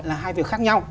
là hai việc khác nhau